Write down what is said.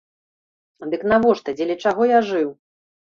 Дык навошта, дзеля чаго я жыў?